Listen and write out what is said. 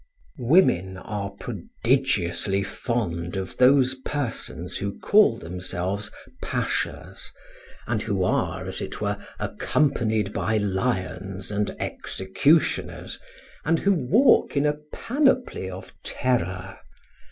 Women are prodigiously fond of those persons who call themselves pashas, and who are, as it were accompanied by lions and executioners, and who walk in a panoply of terror.